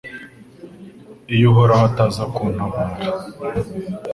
Iyo Uhoraho ataza kuntabara